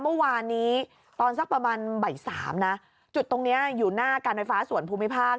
เมื่อวานนี้ตอนสักประมาณบ่ายสามนะจุดตรงนี้อยู่หน้าการไฟฟ้าส่วนภูมิภาค